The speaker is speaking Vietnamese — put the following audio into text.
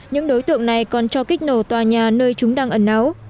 những đối tượng này còn cho kích nổ tòa nhà nơi chúng đang ẩn náu